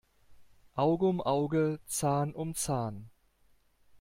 Auge um Auge, Zahn um Zahn.